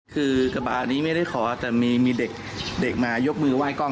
คือกระบะนี้ไม่ได้ขอแต่มีเด็กมายกมือไห้กล้อง